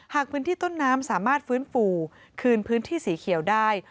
หากพื้นที่ต้นน้ำสามารถฟื้นฟูคืนพื้นที่สีเขียวได้